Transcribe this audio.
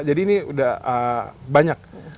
jadi ini sudah banyak